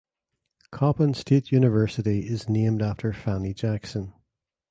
Coppin State University is named after Fannie Jackson.